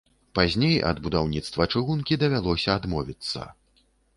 Пазней ад будаўніцтва чыгункі давялося адмовіцца.